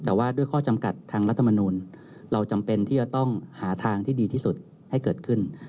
แต่ว่าด้วยข้อจำกัดทางรัฐมนูลเราจำเป็นที่จะต้องหาทางที่ดีที่สุดให้เกิดขึ้น